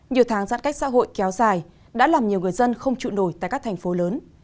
nhiều tháng giãn cách xã hội kéo dài đã làm nhiều người dân không trụ nổi tại các thành phố lớn